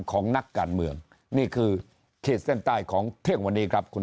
ของนักการเมืองนี่คือขีดเส้นใต้ของเที่ยงวันนี้ครับคุณ